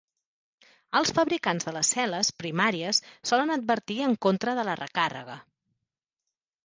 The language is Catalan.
Els fabricants de les cel·les primàries solen advertir en contra de la recàrrega.